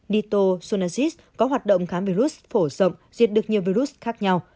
nitocyanid có hoạt động khám virus phổ rộng diệt được nhiều virus khác nhau